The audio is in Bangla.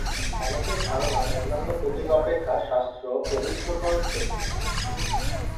অনেকের ধারণা অন্যান্য প্রতীক অপেক্ষা শাস্ত্র পবিত্রতর প্রতীক।